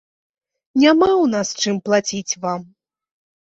Няма ў нас чым плаціць вам.